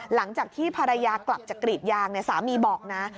หลังจากที่ภรรยากลับจากกรีดยางสามีบอกนะ